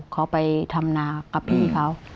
เขาไปทำนากับพี่เขา